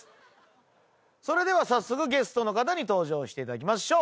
それでは早速ゲストの方に登場していただきましょう。